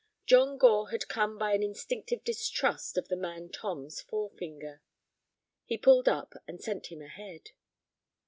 John Gore had come by an instinctive distrust of the man Tom's forefinger. He pulled up, and sent him ahead.